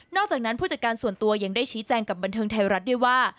จากนั้นผู้จัดการส่วนตัวยังได้ชี้แจงกับบันเทิงไทยรัฐด้วยว่า